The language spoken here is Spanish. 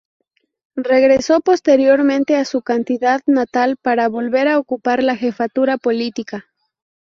Regresó posteriormente a su ciudad natal para volver a ocupar la jefatura política.